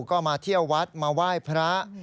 ก็มาเที่ยววัดมาไหว้พระ